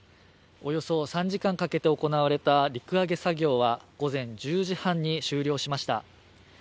およそ３時間かけて行われた陸揚げ作業は、午前１０時半に終了しました。